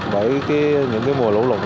bởi những mùa lũ lụng